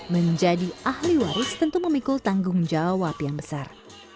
menjadi ahli waris tentu memikul tanggung jawab yang besar